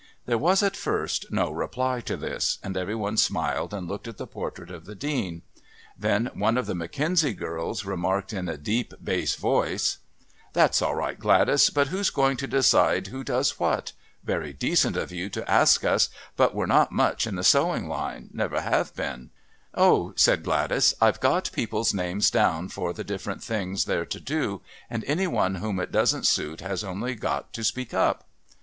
There was at first no reply to this and every one smiled and looked at the portrait of the Dean. Then one of the McKenzie girls remarked in a deep bass voice: "That's all right, Gladys. But who's going to decide who does what? Very decent of you to ask us but we're not much in the sewing line never have been." "Oh," said Gladys, "I've got people's names down for the different things they're to do and any one whom it doesn't suit has only got to speak up."